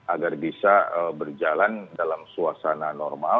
agar bisa berjalan dalam suasana normal